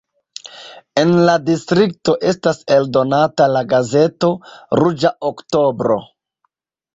En la distrikto estas eldonata la gazeto "Ruĝa oktobro".